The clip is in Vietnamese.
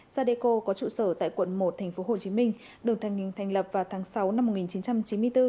sadeco có trụ sở tại quận một tp hcm đường thành lập vào tháng sáu năm một nghìn chín trăm chín mươi bốn